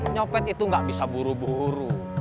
nyopet itu gak bisa buru buru